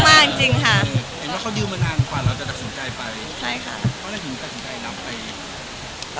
เพราะอะไรที่ถึงตัดสุนใจไป